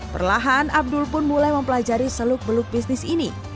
perlahan abdul pun mulai mempelajari seluk beluk bisnis ini